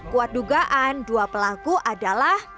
kuat dugaan dua pelaku adalah